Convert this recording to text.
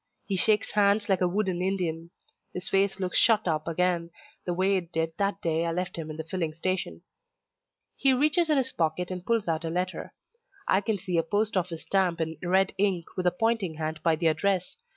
He shakes hands like a wooden Indian. His face looks shut up again, the way it did that day I left him in the filling station. He reaches in his pocket and pulls out a letter. I can see a post office stamp in red ink with a pointing hand by the address.